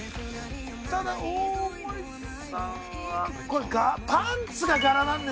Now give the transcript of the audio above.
ただ大森さんはこれパンツが柄なんですよ。